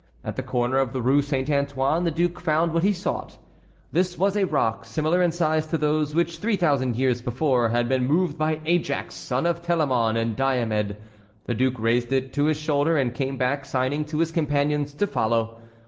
At the corner of the Rue Saint Antoine the duke found what he sought. This was a rock similar in size to those which three thousand years before had been moved by Ajax, son of Telamon, and Diomed. The duke raised it to his shoulder and came back, signing to his companions to follow.